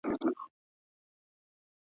ستا د حسن خیال پر انارګل باندي مین کړمه.